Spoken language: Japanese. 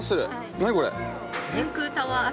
◆何、これ！